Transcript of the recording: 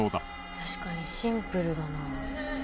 たしかにシンプルだな。